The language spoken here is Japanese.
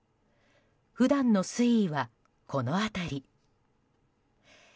普段の水位はこの辺り。